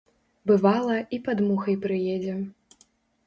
Бывала, і пад мухай прыедзе.